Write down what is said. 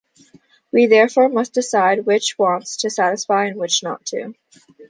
We therefore must decide which wants to satisfy and which not to.